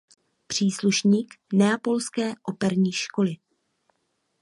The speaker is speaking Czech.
Příslušník Neapolské operní školy.